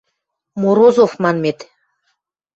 Морозов манмет